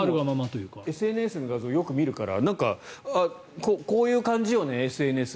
ＳＮＳの画像をよく見るからこういう感じよね、ＳＮＳ。